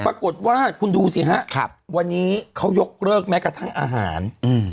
ปรากฏว่าคุณดูสิฮะวันนี้เขายกเลิกแม้กระทั่งอาหาร